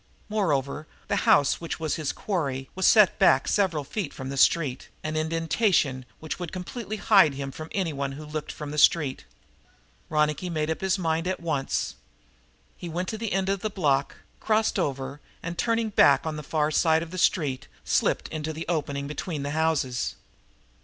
Moreover, the house which was his quarry was set back several feet from the street, an indentation which would completely hide him from anyone who looked from the street. Ronicky made up his mind at once. He went to the end of the block, crossed over and, turning back on the far side of the street, slipped into the opening between the houses.